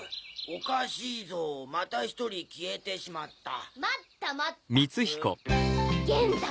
「おかしいぞまた一人消えてしまった！」。